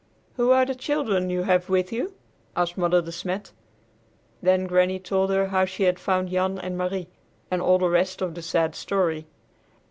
"Who are the children you have with you?" asked Mother De Smet. Then Granny told her how she had found Jan and Marie, and all the rest of the sad story.